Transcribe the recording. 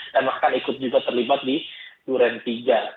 dan bahkan ikut juga terlibat di durian iii